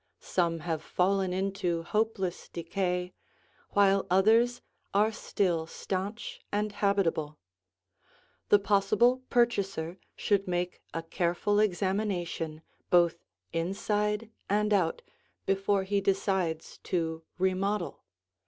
Some have fallen into hopeless decay, while others are still stanch and habitable. The possible purchaser should make a careful examination both inside and out before he decides to remodel.